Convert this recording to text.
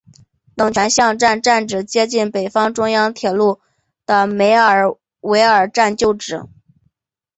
冷泉巷站站址接近北方中央铁路的梅尔维尔站旧址。